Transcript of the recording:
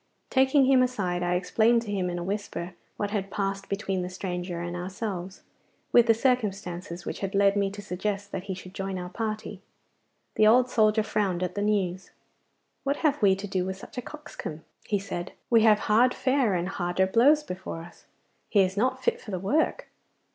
Taking him aside I explained to him in a whisper what had passed between the stranger and ourselves, with the circumstances which had led me to suggest that he should join our party. The old soldier frowned at the news. 'What have we to do with such a coxcomb?' he said. 'We have hard fare and harder blows before us. He is not fit for the work.